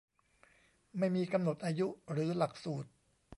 ไม่มีกำหนดอายุหรือหลักสูตร